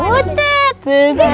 udah jadi dong